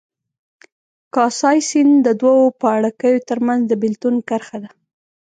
کاسای سیند د دوو پاړکیو ترمنځ د بېلتون کرښه ده.